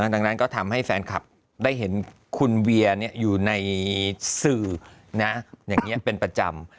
ดังนั้นก็ทำให้แฟนคลับได้เห็นคุณเวียอยู่ในสื่ออย่างนี้เป็นประจำ